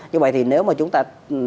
như vậy thì nếu mà chúng ta